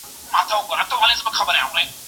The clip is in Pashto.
په هر حالت کي مثبت فکر کول اړین دی.